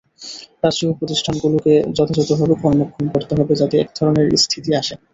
রাষ্ট্রীয় প্রতিষ্ঠানগুলোকে যথাযথভাবে কর্মক্ষম করতে হবে, যাতে একধরনের স্থিতি আসে।